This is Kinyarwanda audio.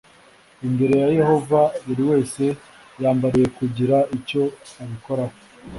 imbere ya yehova buri wese yambariye kugira icyo abikoraho